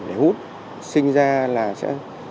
để hút sinh ra là sẽ